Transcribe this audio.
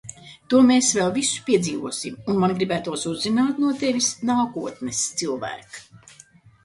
To mēs vēl visu piedzīvosim! Un man gribētos uzzināt no tevis, nākotnes cilvēk.